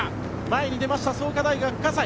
前に出ました、創価大学の葛西。